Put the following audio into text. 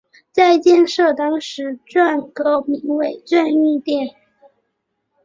在建设当时成巽阁名为巽御殿。